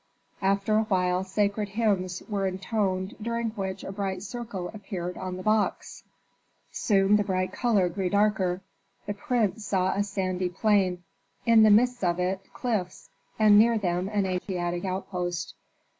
After a while sacred hymns were intoned during which a bright circle appeared on the box. Soon the bright color grew darker; the prince saw a sandy plain, in the midst of it cliffs, and near them an Asiatic outpost.